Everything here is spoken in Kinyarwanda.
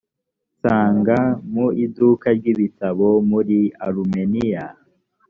nsanga mu iduka ry ibitabo muri arumeniya